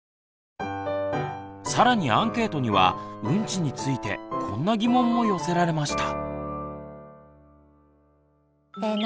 更にアンケートにはウンチについてこんな疑問も寄せられました。